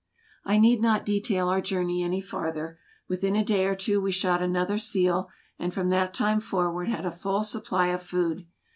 I need not detail our journey any farther. Within a day or two we shot another seal, and from that time forward had a full supply of food.